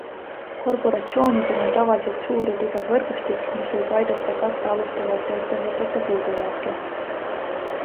Korporatsioonidel on tavaliselt suur ja tugev võrgustik, mis võib aidata katta alustavate ettevõtete puudujääke.